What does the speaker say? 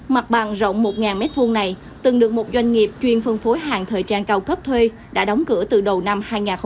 mặt bằng rộng một m hai này từng được một doanh nghiệp chuyên phân phối hàng thời trang cao cấp thuê đã đóng cửa từ đầu năm hai nghìn hai mươi